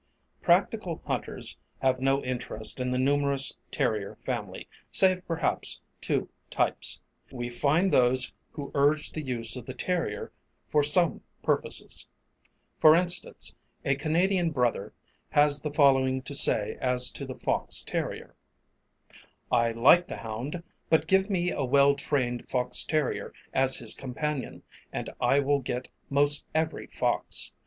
Practical hunters have no interest in the numerous Terrier family, save perhaps two types. We find those who urge the use of the terrier for some purposes. For instance, a Canadian brother has the following to say as to the Fox Terrier: I like the hound, but give me a well trained fox terrier as his companion, and I will get most every fox.